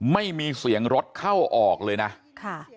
ไม่มีเสียงรถเข้าออกเลยนะค่ะ